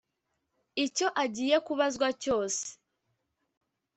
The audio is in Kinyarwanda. icyo agiye kubazwa cyose